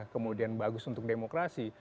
kemudian bagus untuk demokrasi